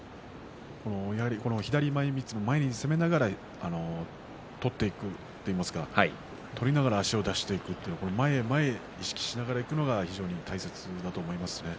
やはり左前みつ前に攻めながら取っていくといいますか取りながら足を出していくというのは前へ前へ意識しながら行くのが非常に大切だと思いますね。